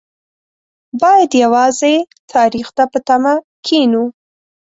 باید یوازې تاریخ ته په تمه کېنو.